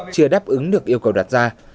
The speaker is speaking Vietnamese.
chưa đáp ứng được yêu cầu đặt ra